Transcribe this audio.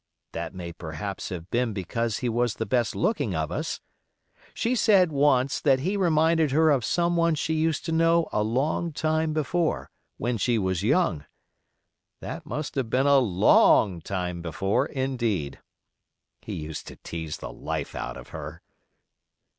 That may perhaps have been because he was the best looking of us. She said once that he reminded her of some one she used to know a long time before, when she was young. That must have been a long time before, indeed. He used to tease the life out of her.